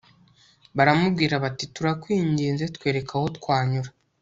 baramubwira bati turakwinginze, twereke aho twanyura